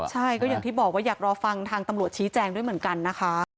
ใช่ก็อย่างที่บอกว่าอยากรอฟังทางตำรวจชี้แจงด้วยเหมือนกันนะคะ